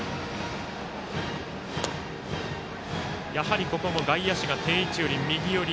やはり、ここも外野手が定位置より右寄り。